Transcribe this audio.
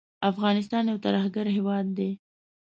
افغانستان یو ترهګر هیواد دی